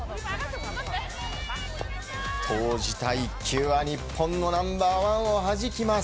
投じた１球は、日本のナンバーワンをはじきます。